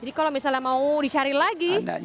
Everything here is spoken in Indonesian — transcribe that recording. jadi kalau misalnya mau dicari lagi